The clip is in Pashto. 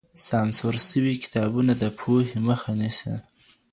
سانسور سوي کتابونه د پوهي مخه نيسي.